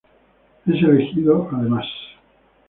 Es elegido, además.